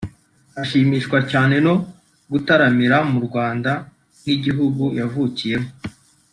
ashimishwa cyane no gutaramira mu Rwanda nk’igihugu yavukiyemo